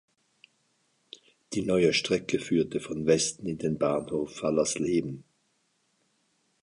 Die neue Strecke führte von Westen in den Bahnhof Fallersleben.